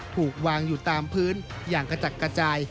ถูกวางอยู่ตามพื้นอย่างกระจัดกระจาย